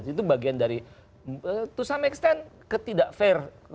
itu bagian dari to some extent ketidak fair